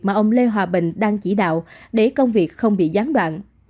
mà ông lê hòa bình đang chỉ đạo để công việc không bị gián đoạn